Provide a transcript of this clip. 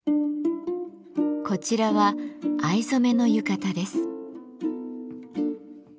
こちらは藍染めの浴衣です。